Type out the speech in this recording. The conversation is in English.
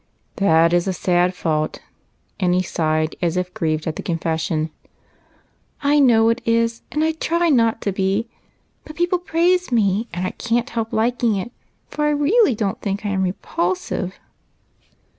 " That is a sad fault." And he sighed as if grieved at the confession. " I know it is, and I try not to be ; but people praise me, and I can't help liking it, for I really don't think I am repulsive."